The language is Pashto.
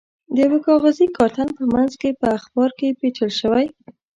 د یوه کاغذي کارتن په منځ کې په اخبار کې پېچل شوی و.